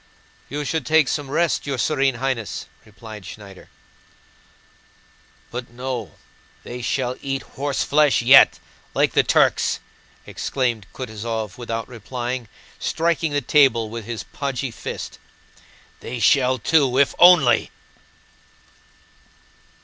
"You should take some rest, your Serene Highness," replied Schneider. "But no! They shall eat horseflesh yet, like the Turks!" exclaimed Kutúzov without replying, striking the table with his podgy fist. "They shall too, if only..."